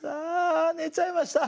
ねちゃいました。